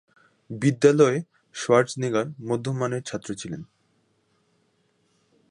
বিদ্যালয়ে শোয়ার্জনেগার মধ্যম মানের ছাত্র ছিলেন।